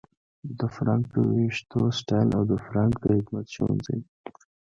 د فرانک د ویښتو سټایل او د فرانک د حکمت ښوونځي